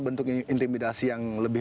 bentuk intimidasi yang lebih